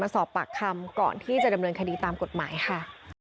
สอบปากคำก่อนที่จะดำเนินคดีตามกฎหมายค่ะ